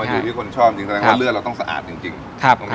อยู่ที่คนชอบจริงแสดงว่าเลือดเราต้องสะอาดจริงตรงนี้